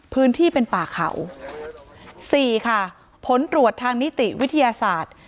พื้นที่เป็นป่าเขาสี่ค่ะผลตรวจทางนิติวิทยาศาสตร์